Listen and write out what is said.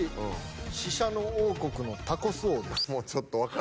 シシャノ王国のタコス王です。